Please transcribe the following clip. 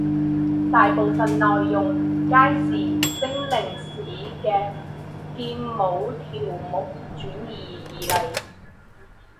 大部分内容皆自精灵使的剑舞条目转移而来。